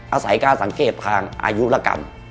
อาศัยการสังเกตทางอายุรกรรม